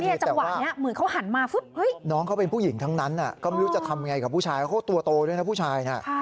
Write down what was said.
จังหวะนี้เหมือนเขาหันมาน้องเขาเป็นผู้หญิงทั้งนั้นก็ไม่รู้จะทำไงกับผู้ชายเขาตัวโตด้วยนะผู้ชายนะ